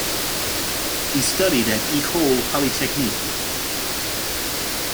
He studied at Ecole Polytechnique.